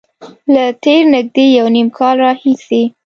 له تېر نږدې یو نیم کال راهیسې